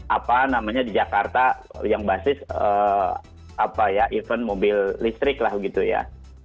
apa namanya di jakarta yang basis apa ya event mobil listrik lah gitu ya